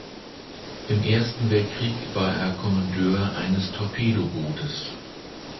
Im Ersten Weltkrieg war er Kommandeur eines Torpedobootes.